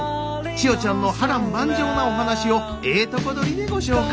千代ちゃんの波乱万丈なお話をええとこ取りでご紹介。